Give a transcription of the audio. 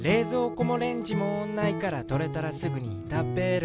こもレンジもないからとれたらすぐにたべる」